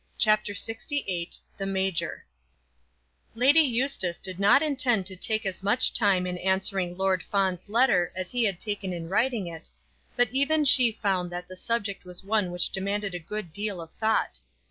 CHAPTER LXVIII The Major Lady Eustace did not intend to take as much time in answering Lord Fawn's letter as he had taken in writing it; but even she found that the subject was one which demanded a good deal of thought.